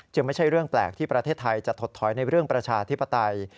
ไม่ใช่เรื่องแปลกที่ประเทศไทยจะถดถอยในเรื่องประชาธิปไตย